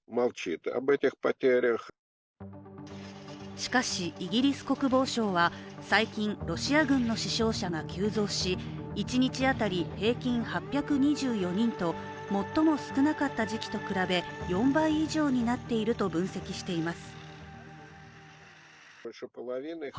しかし、イギリス国防省は最近ロシア軍の死傷者が急増し１日当たり平均８２４人と最も少なかった時期と比べ、４倍以上になっていると分析しています。